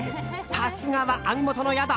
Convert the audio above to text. さすがは網元の宿。